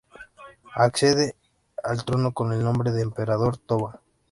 Accede al trono con el nombre de Emperador Toba.